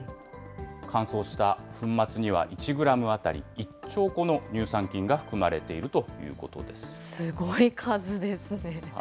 乾燥した粉末には１グラム当たり１兆個の乳酸菌が含まれているとすごい数ですね。